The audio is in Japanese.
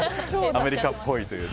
アメリカっぽいという。